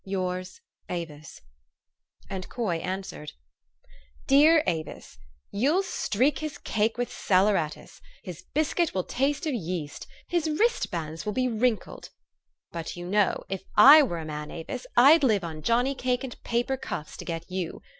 Yours, " Avis/ And Coy answered, " DEAR Avis, You'll streak his cake with saleratus. His biscuit will taste of yeast. His wristbands will be wrinkled. But you know, if I were a man, Avis, I'd live on johnny cake and paper cuffs to get you.